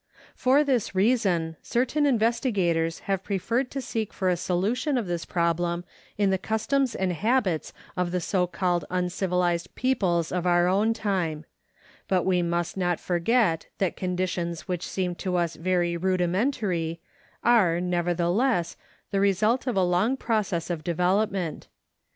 For this reason, certain investigators have preferred to seek for a solution of this problem in the customs and habits of the so called uncivilized peoples of our own time; but we must not forget that conditions which seem to us very rudimentary are, nevertheless, the result of a long process of development.